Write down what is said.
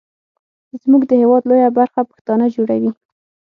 زمونږ د هیواد لویه برخه پښتانه جوړوي.